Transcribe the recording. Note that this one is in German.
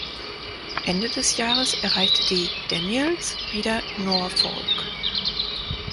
Ende des Jahres erreichte die "Daniels" wieder Norfolk.